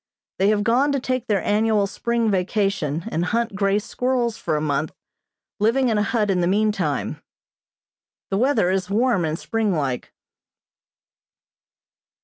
They have gone to take their annual spring vacation and hunt grey squirrels for a month, living in a hut in the meantime. The weather is warm and springlike.